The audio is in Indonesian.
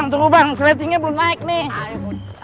tunggu bang seretingnya belum naik nih